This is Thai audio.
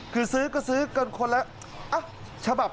คือซื้อก็ซื้อกันคนละฉบับ